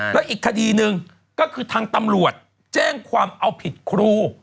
แล้วอีกคดีหนึ่งก็คือทางตำรวจแจ้งความเอาผิดครู